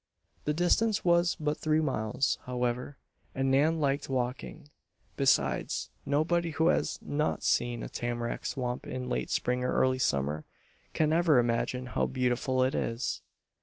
The distance was but three miles, however, and Nan liked walking. Besides, nobody who has not seen a tamarack swamp in late spring or early summer, can ever imagine how beautiful it is.